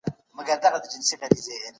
له چا څخه په زور مال مه اخلئ.